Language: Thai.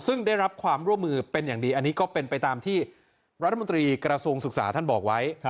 ซึ่งได้รับความร่วมมือเป็นอย่างดีอันนี้ก็เป็นไปตามที่รัฐมนตรีกระทรวงศึกษาท่านบอกไว้